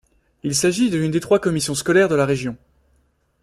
Il s'agit de l'une des trois commissions scolaires de la région.